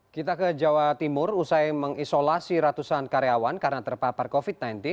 kita ke jawa timur usai mengisolasi ratusan karyawan karena terpapar covid sembilan belas